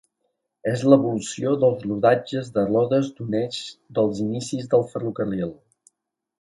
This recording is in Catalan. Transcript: És l'evolució dels rodatges de rodes d'un eix dels inicis del ferrocarril.